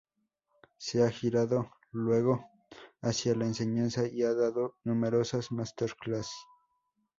Se ha girado luego hacia la enseñanza y ha dado numerosas máster clases.